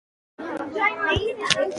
دغه فرمان له قانون او د ملي شـوري د